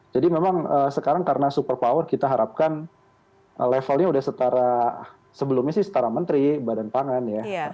jadi memang sekarang karena super power kita harapkan levelnya sudah setara sebelumnya sih setara menteri badan pangan ya